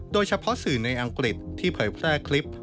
โดยเฉพาะสื่อในอังกฤษที่เผยแพร่คลิป